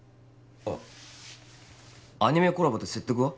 あアニメコラボで説得は？